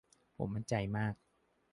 ผมมั่นใจมาก